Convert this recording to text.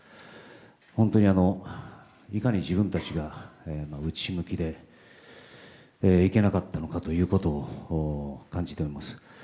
本当にいかに自分たちが内向きでいけなかったのかということを感じております。